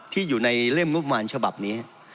ที่อยู่ในเล่มงบมารฉบับนี้